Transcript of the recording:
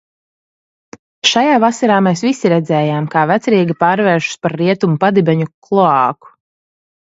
Šajā vasarā mēs visi redzējām, kā Vecrīga pārvēršas par Rietumu padibeņu kloāku.